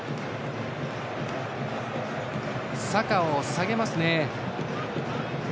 サカを下げますね。